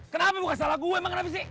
gak salah gue emang kenapa sih